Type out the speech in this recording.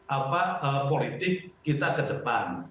apa politik kita ke depan